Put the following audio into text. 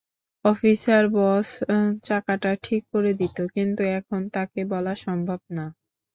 Officer Bob চাকাটা ঠিক করে দিতো, কিন্তু এখন তাকে বলা সম্ভব না।